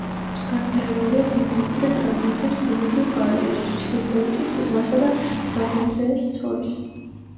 განვითარებულია დიუნები და წარმოადგენს ბუნებრივ ბარიერს ჩრდილოეთის ზღვასა და ვადენზეეს შორის.